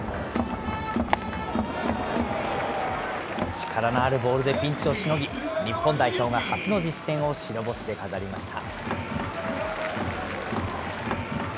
力のあるボールでピンチをしのぎ、日本代表が初の実戦を白星で飾りました。